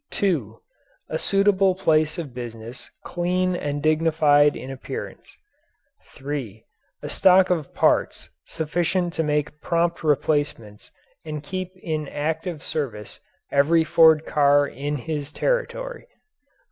(2) A suitable place of business clean and dignified in appearance. (3) A stock of parts sufficient to make prompt replacements and keep in active service every Ford car in his territory.